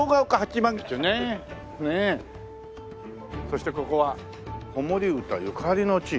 そしてここは子守唄ゆかりの地。